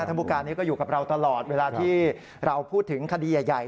ผู้การนี้ก็อยู่กับเราตลอดเวลาที่เราพูดถึงคดีใหญ่